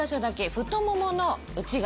太ももの内側？